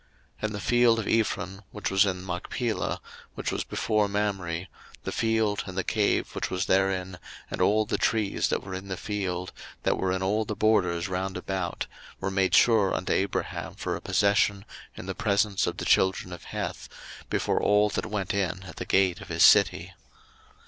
01:023:017 And the field of Ephron which was in Machpelah, which was before Mamre, the field, and the cave which was therein, and all the trees that were in the field, that were in all the borders round about, were made sure 01:023:018 Unto Abraham for a possession in the presence of the children of Heth, before all that went in at the gate of his city.